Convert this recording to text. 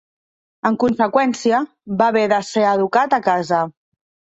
En conseqüència, va haver de ser educat a casa.